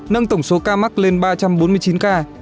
nâng tổng số ca mắc lên ba trăm bốn mươi chín ca